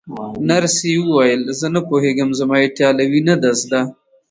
نرسې وویل: زه نه پوهېږم، زما ایټالوي نه ده زده.